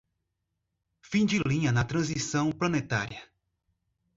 Fim de linha na transição planetária